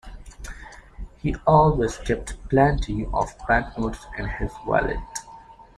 He always kept plenty of banknotes in his wallet